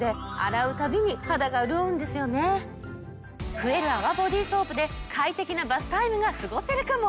増える泡ボディソープで快適なバスタイムが過ごせるかも！